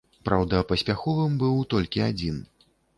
Праўда, паспяховым быў толькі адзін.